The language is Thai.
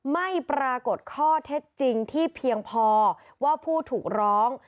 ไม่ปรากฏข้อเท็จจริงที่เพียงพอว่าผู้ถูกร้อง